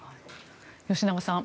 吉永さん